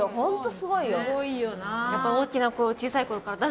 すごいよな。